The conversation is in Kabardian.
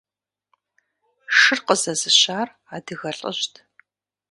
Шыр къызэзыщар адыгэ лӀыжьт.